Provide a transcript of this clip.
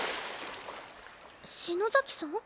篠崎さん？